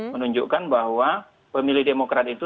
menunjukkan bahwa pemilih demokrat itu